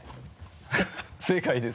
正解です